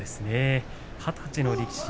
二十歳の力士。